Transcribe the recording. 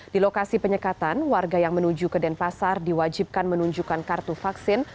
di lokasi penyekatan warga yang menuju ke denpasar diwajibkan menunjukkan kartu vaksin